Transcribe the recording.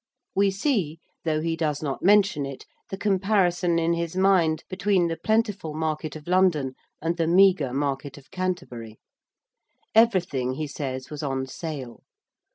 We see, though he does not mention it, the comparison in his mind between the plentiful market of London and the meagre market of Canterbury. Everything, he says, was on sale.